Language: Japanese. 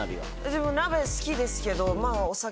私も鍋好きですけど。